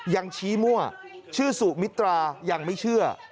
ยังชี้มั่วชื่อสุมิตรายังไม่เชื่อ